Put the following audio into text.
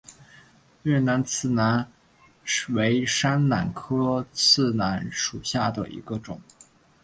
越南刺榄为山榄科刺榄属下的一个种。